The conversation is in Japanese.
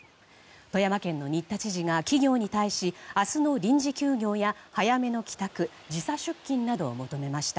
富山県の新田知事が企業に対し明日の臨時休業や早めの帰宅時差出勤などを求めました。